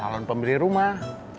bukit bintang pemilik rumah